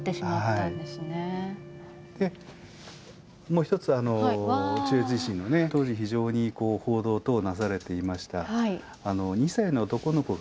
もう一つ中越地震のね当時非常に報道等なされていました。